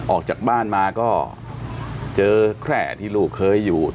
ออกจากบ้านมาก็เจอแคร่ที่ลูกเคยอยู่